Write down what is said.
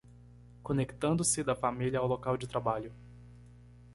Conectando-se da família ao local de trabalho